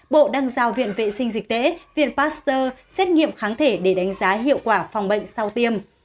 bộ đang giao viện vệ sinh dịch tễ viện pasteur xét nghiệm kháng thể để đánh giá hiệu quả phòng bệnh sau tiêm